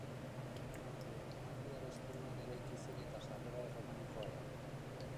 Anglo-normandiar estiloan eraiki zen eta sarrera erromanikoa da.